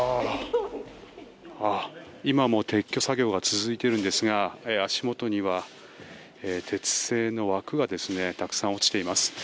今も撤去作業が続いているんですが足元には鉄製の枠がたくさん落ちています。